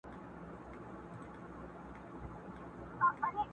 یو څه سیالي د زمانې ووینو.!